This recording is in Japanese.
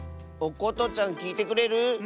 おことちゃんきいてくれる？